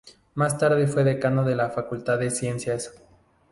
Más tarde fue Decano de la Facultad de Ciencias.